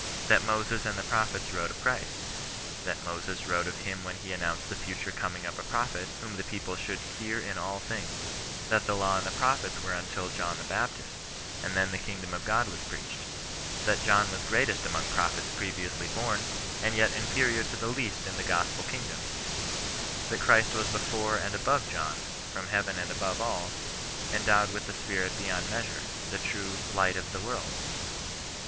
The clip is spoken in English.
that Moses and the prophets wrote of Christ :* that Moses wrote of him when he announced the future coming of a prophet, whom the people should " hear in ALL THINGS I ' that the law and the prophets were until John the Baptist, and then the kingdom of God was preached : that John was greatest among prophets pre viously born, and yet inferior to the least in the gospel kingdom : that Christ was before and above John — from heaven and above all — endowed with the Spirit beyond measure — the true " light of the world